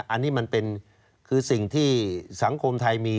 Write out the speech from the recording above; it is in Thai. อันนี้มันเป็นคือสิ่งที่สังคมไทยมี